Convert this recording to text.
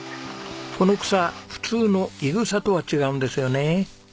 この草普通のイグサとは違うんですよね？